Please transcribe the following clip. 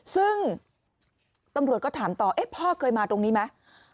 ซึ่งตำรวจก็ถามต่อพ่อเคยมาตรงนี้ไหม